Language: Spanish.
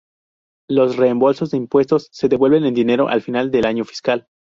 Los reembolsos de impuestos se devuelven en dinero al final del año fiscal.